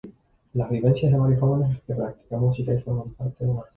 Las vivencias de varios jóvenes que practican música y quieren formar una orquesta.